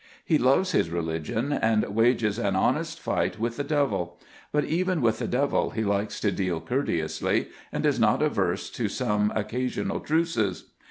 He loves his religion and wages an honest fight with the devil; but even with the devil he likes to deal courteously, and is not averse to some occasional truces.